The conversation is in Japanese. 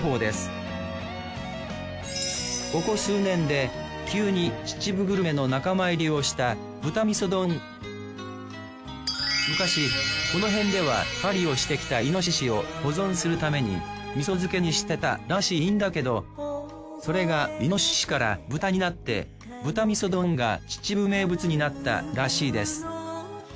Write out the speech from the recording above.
ここ数年で急に秩父グルメの仲間入りをした昔このへんでは狩りをしてきたイノシシを保存するために味噌漬けにしてたらしいんだけどそれがイノシシから豚になって豚みそ丼が秩父名物になったらしいです。